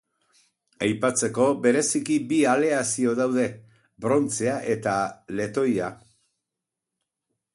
Aipatzeko bereziki bi aleazio daude: brontzea eta letoia.